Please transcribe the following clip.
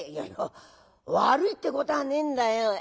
「いや悪いってこたぁねえんだよ。